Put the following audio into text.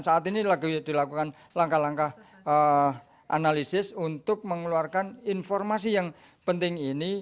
saat ini lagi dilakukan langkah langkah analisis untuk mengeluarkan informasi yang penting ini